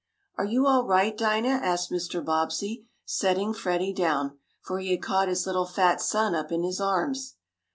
"Are you all right, Dinah?" asked Mr. Bobbsey, setting Freddie down, for he had caught his little fat son up in his arms.